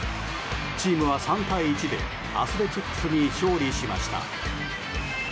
チームは３対１でアスレチックスに勝利しました。